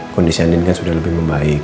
kondisi ini kan sudah lebih membaik